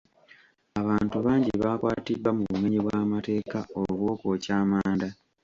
Abantu bangi baakwatiddwa mu bumenyi bw'amateeka obw'okwokya amanda.